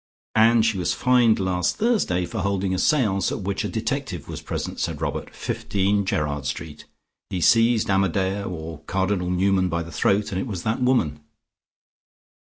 "And she was fined last Thursday for holding a seance at which a detective was present," said Robert. "15 Gerard Street. He seized Amadeo or Cardinal Newman by the throat, and it was that woman."